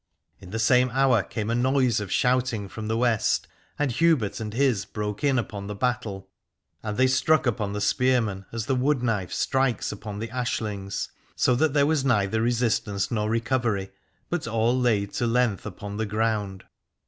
In the same hour caaie a noise of shouting from the West, and Hubert and his broke in upon the battle. And they struck upon the spearmen as the wood knife strikes upon the ashHngs, so that there was neither resistance nor recovery, but all laid to length upon the ground.